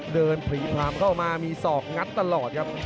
เดินพรีพรามเข้ามามีศอกงัดตลอดครับ